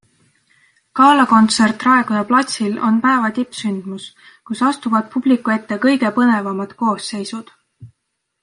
Galakontsert Raekoja platsil on päeva tippsündmus, kus astuvad publiku ette kõige põnevamad koosseisud.